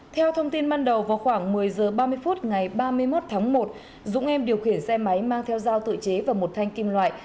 theo thông tin ban đầu vào khoảng một mươi h ba mươi phút ngày ba mươi một tháng một dũng em điều khiển xe máy mang theo dao tự chế và một thanh kim loại